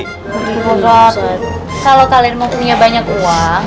kalo kalian mau punya banyak uang